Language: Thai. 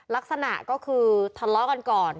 ลักษณะก็คือทะเลาะกันก่อน